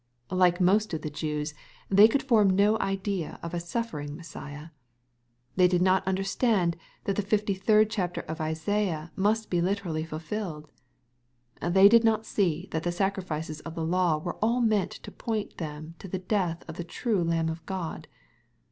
Like most of the Jews, they could form I no idea of a suflFering Messiah. They did not under stand tLat the fifty third chapter of Isaiah must be literally fulfilled. They did not see that the sacrifices of the law were all meant to point them to the death of the "true Lamb of God.